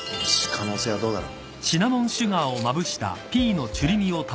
可能性はどうだろ？